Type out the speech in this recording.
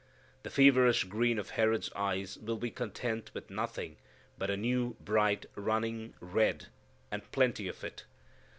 The feverish green of Herod's eyes will be content with nothing but a new, bright, running red, and plenty of it.